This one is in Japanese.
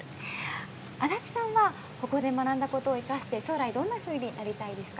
安達さんはここで学んだことを生かして将来どんなふうになりたいですか？